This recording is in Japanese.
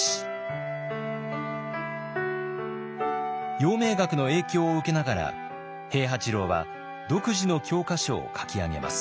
陽明学の影響を受けながら平八郎は独自の教科書を書き上げます。